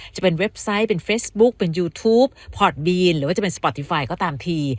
จะเป็นเว็บไซต์เป็นเฟซบุ๊คเป็นยูทูปพอร์ตบีนหรือว่าจะเป็นสปอร์ตตี้ไฟล์ก็ตามที